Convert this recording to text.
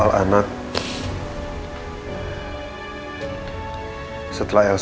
kalau aku akan mengakhiri rumah tangga aku dengan elsa